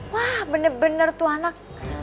wah bener bener tuh anak